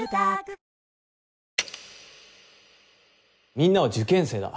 みんなは受験生だ。